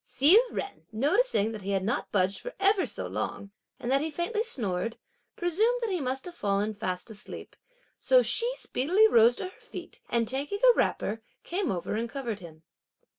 Hsi Jen noticing that he had not budged for ever so long, and that he faintly snored, presumed that he must have fallen fast asleep, so she speedily rose to her feet, and, taking a wrapper, came over and covered him.